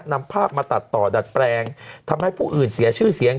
นำภาพมาตัดต่อดัดแปลงทำให้ผู้อื่นเสียชื่อเสียง